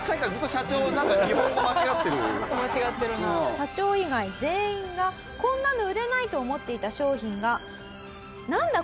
社長以外全員がこんなの売れないと思っていた商品が「なんだ？